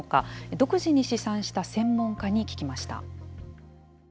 独自に試算した専門家に聞きました。